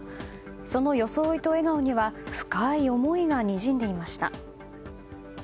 その装いと笑顔には深い思いがにじんでいました。